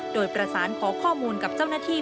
โดยประสานขอข้อมูลกับเจ้าหน้าที่